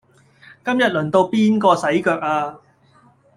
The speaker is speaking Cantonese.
今日輪到邊個洗腳呀